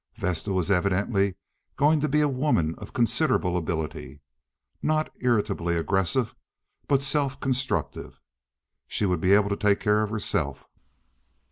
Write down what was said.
Vesta was evidently going to be a woman of considerable ability—not irritably aggressive, but self constructive. She would be able to take care of herself.